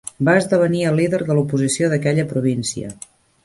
Va esdevenir el líder de l"oposició d"aquella província.